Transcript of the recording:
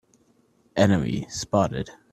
Enemy spotted!